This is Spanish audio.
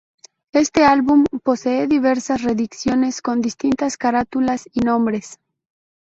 Este álbum posee diversas reediciones, con distintas carátulas y nombres.